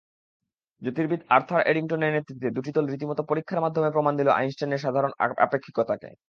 জ্যোতির্বিদ Arthur এডিংটনের নেতৃত্বে দুটি দল রীতিমতো পরীক্ষার মাধ্যমে প্রমাণ দিল আইনস্টাইনের সাধারণ আপেক্ষিকতাকে।